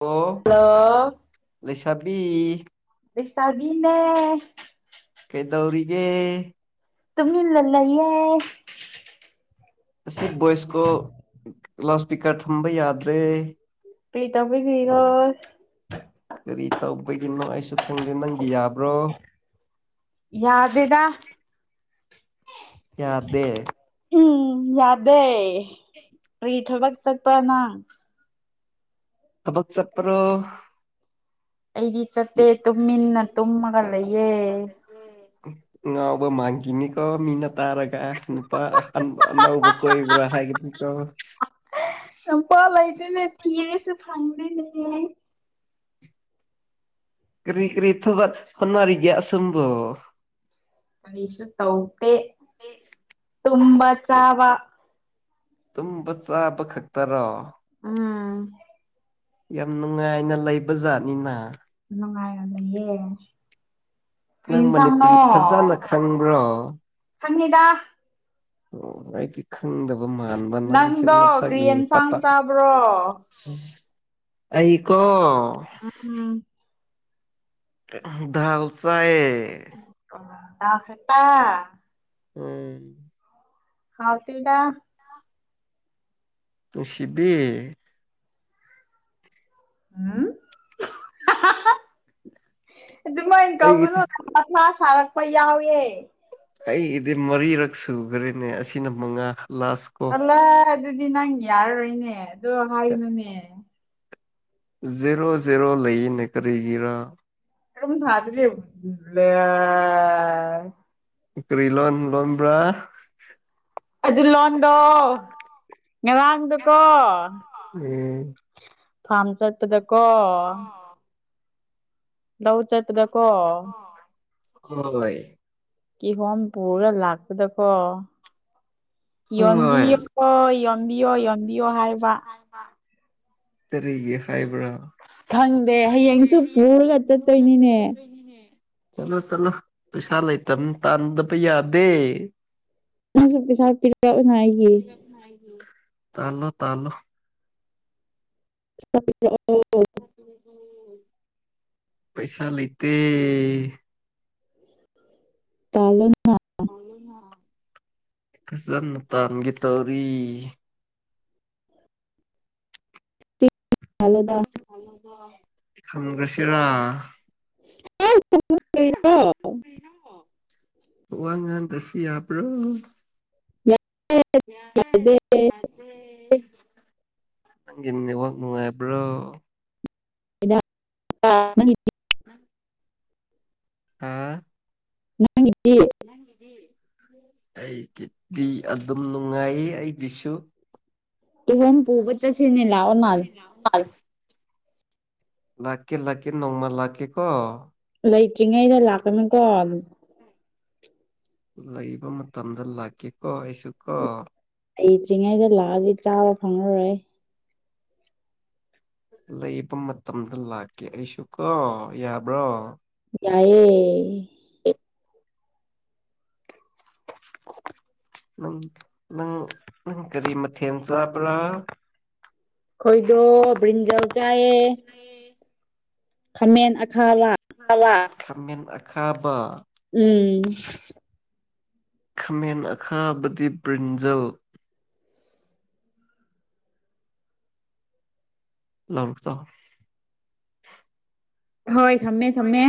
ꯑꯣ ꯍꯜꯂꯣ ꯂꯩꯁꯥꯕꯤ ꯂꯩꯁꯥꯕꯤꯅ ꯀꯩꯗꯧꯔꯤꯒꯦ ꯇꯃꯤꯟꯅ ꯂꯩꯌꯦ ꯑꯁꯤ ꯚꯣꯏꯁꯀꯣ ꯂꯥꯎꯠ ꯁ꯭ꯄꯤꯀꯔ ꯊꯝꯕ ꯌꯥꯗ꯭ꯔꯦ꯫ ꯀꯔꯤ ꯇꯧꯕꯒꯤꯔꯣ? ꯀꯔꯤ ꯇꯧꯕꯒꯤꯅꯣ ꯑꯩꯁꯨ ꯈꯪꯗꯦ ꯅꯪꯒꯤ ꯌꯥꯕ꯭ꯔꯣ ꯌꯥꯗꯦꯗꯥ ꯌꯥꯗꯦ ꯎꯝ ꯌꯥꯗꯦ ꯀ꯭ꯔꯤ ꯊꯕꯛ ꯆꯠꯄ꯭ꯔꯥ ꯅꯪ ꯊꯕꯛ ꯆꯠꯄ꯭ꯔꯣ? ꯑꯩꯗꯤ ꯆꯠꯇꯦ ꯇꯨꯝꯃꯤꯟꯅ ꯇꯨꯝꯃꯒ ꯂꯩꯌꯦ꯫ [inaudible] ꯉꯥꯎꯕ ꯃꯥꯥꯡꯒꯤꯅꯤꯀꯣ ꯃꯤꯅ ꯇꯥꯔꯒ ꯑ ꯅꯨꯄꯥ ꯑꯅꯧꯕ ꯀꯣꯏꯕ꯭ꯔꯥ ꯍꯥꯏꯒꯤꯅꯤꯀꯣ ꯆꯝꯄꯜ ꯂꯩꯇꯦꯅꯦ ꯊꯤꯔꯁꯨ ꯐꯡꯗꯦꯅꯦ꯫ ꯀꯔꯤ ꯀꯔꯤ ꯊꯕꯛ ꯍꯣꯠꯅꯔꯤꯒꯦ ꯑꯁꯣꯝꯕꯣ? ꯀꯔꯤꯁꯨ ꯇꯧꯇꯦ꯫ ꯇꯨꯝꯕ ꯆꯥꯕ ꯇꯨꯝꯕ ꯆꯥꯕ ꯈꯛꯇꯔꯣ ꯎꯝ ꯌꯥꯝ ꯅꯨꯡꯉꯥꯏꯅ ꯂꯩꯕ ꯖꯥꯠꯅꯤꯅ ꯅꯨꯡꯉꯥꯏꯔꯝꯃꯤꯌꯦ ꯅꯪ ꯃꯅꯤꯄꯨꯔꯤ ꯐꯖꯅ ꯈꯪꯕ꯭ꯔꯣ ꯍꯪꯅꯤꯗ ꯑꯣ ꯑꯩꯗꯤ ꯈꯪꯗꯕ ꯃꯥꯟꯕ ꯅꯪꯗꯣ ꯅꯁꯛ ꯀꯔꯤ ꯌꯦꯡ ꯌꯦꯟꯁꯥꯡ ꯄꯇꯥ ꯆꯥꯕ꯭ꯔꯣ ꯑꯩ ꯀꯣ ꯎꯝ ꯥꯗꯥꯜ ꯆꯥꯏꯌꯦ ꯗꯥꯜ ꯈꯛꯇ ꯎꯝ ꯍꯥꯎ ꯇꯤꯗ ꯅꯨꯡꯁꯤꯕꯤ ꯎꯝ ꯑꯗꯨꯃꯥꯢ ꯀꯧꯒꯅꯣ ꯑꯩꯒꯤꯗꯤ ꯃꯥ ꯁꯥꯔꯛꯄ ꯌꯥꯎꯌꯦ ꯑꯩꯒꯤꯗꯤ ꯃꯔꯤꯔꯛ ꯁꯨꯈ꯭ꯔꯦꯅꯦ ꯑꯁꯤꯅ ꯃꯉꯥ ꯂꯥꯁ ꯀꯣ ꯑꯜꯂ ꯑꯗꯨꯗꯤ ꯅꯪ ꯌꯥꯔꯔꯣꯏꯅꯦ ꯑꯗꯣ ꯍꯥꯏꯒꯅꯨꯅꯦ ꯖꯦꯔꯣ ꯖꯦꯔꯣ ꯂꯩꯅꯦ ꯀꯔꯤꯒꯔꯥ ꯔꯨꯝ ꯁꯥꯖꯔꯤꯂ ꯀꯔꯤꯂꯣꯟ ꯂꯣꯟꯕ꯭ꯔꯥ ꯑꯗꯨ ꯂꯣꯟꯗꯣ ꯉꯔꯥꯡꯗꯨꯀꯣ ꯎꯝ ꯐꯥꯔꯝ ꯆꯠꯄꯗꯀꯣ ꯂꯧ ꯆꯠ ꯂꯧ ꯆꯗꯀꯣ ꯍꯣꯏ ꯀꯤꯍꯣꯝ ꯄꯨꯔ ꯂꯥꯛꯄꯗꯀꯣ ꯍꯣꯏ ꯌꯣꯟꯕꯤꯌꯨꯀꯣ ꯌꯣꯟ ꯌꯣꯟꯕꯤꯌꯣ ꯌꯣꯟ ꯀꯔꯤꯒꯤ ꯍꯥꯢꯕ꯭ꯔꯥ ꯈꯪꯗꯦ ꯍꯌꯦꯡꯁꯨ ꯄꯨꯔꯒ ꯆꯠꯇꯣꯏꯅꯤꯅꯦ ꯆꯂꯣ ꯆꯂꯣ ꯄꯩꯁꯥ ꯂꯩꯇꯝ ꯇꯥꯟꯗꯕ ꯌꯥꯗꯦ ꯅꯪꯖꯨ ꯄꯩꯁꯥ ꯄꯤꯔꯤꯕꯅꯥꯏ ꯇꯥꯜꯂꯣ ꯇꯥꯜꯂꯣ [inaudible] ꯄꯩꯁꯥ ꯂꯩꯇꯦ ꯇꯥꯜꯂꯣ ꯐꯖꯟꯅ ꯇꯥꯟꯒꯦ ꯇꯧꯔꯤ [unintelligible] ꯊꯝꯒ꯭ꯔꯁꯤꯔ ꯀꯔꯤꯔꯣ ꯋꯥ ꯉꯥꯟꯇꯁꯨ ꯌꯥꯕ꯭ꯔꯣ ꯌꯥꯑꯦ ꯌꯥꯗꯦ ꯌꯥꯢ ꯅꯪꯒꯤ ꯅꯦꯠꯋꯥꯛ ꯅꯨꯡꯉꯥꯏꯕ꯭ꯔꯣ [unintelligible] ꯍꯥꯥ ꯅꯪꯒꯤꯗꯤ ꯑꯩꯒꯤꯗꯤ ꯑꯗꯨꯝ ꯅꯨꯡꯉꯥꯏꯌꯦ ꯑꯩꯒꯤꯁꯨ [unintelligible] ꯄꯨꯕꯥ ꯆꯠꯁꯤꯅꯦ ꯂꯥꯎꯑꯣꯅꯥꯜ ꯂꯥꯛꯀꯦ ꯂꯥꯛꯀꯦ ꯅꯣꯡꯃ ꯂꯥꯛꯀꯦꯀꯣ ꯂꯩꯇꯤꯡ ꯉꯩꯗ ꯂꯛ [inaudible] ꯂꯩꯕ ꯃꯇꯝꯗ ꯂꯥꯛꯀꯦ ꯀꯣ ꯑꯩꯁꯨ ꯀꯣ ꯑꯩ ꯇ꯭ꯔꯤꯉꯩꯗ ꯂꯥꯛꯑꯗꯤ ꯆꯥꯕ ꯐꯪꯉꯔꯣꯏ ꯂꯩꯕ ꯃꯇꯝꯗ ꯂꯥꯛꯀꯦ ꯑꯩꯁꯨ ꯀꯣ ꯌꯥꯕ꯭ꯔꯣ ꯌꯥꯏꯌꯦ ꯅꯪ ꯅꯪꯪ ꯅꯪ ꯀꯔꯤ ꯃꯊꯦꯜ ꯆꯥꯕ꯭ꯔꯥ ꯈꯣꯏꯗꯣ ꯕ꯭ꯔꯤꯜꯖꯜ ꯆꯥꯏꯌꯦ [inaudible] ꯈꯥꯃꯦꯟ ꯑꯈꯥꯋꯥ [unintelligible] ꯈꯃꯦꯟ ꯑꯈꯥꯕꯥ ꯎꯝ ꯈꯥꯃꯦꯟ ꯑꯈꯥꯕꯗꯤ ꯕ꯭ꯔꯤꯟꯖꯜ [unintelligible] ꯍꯣꯏ ꯊꯝꯃꯦ ꯊꯝꯃꯦ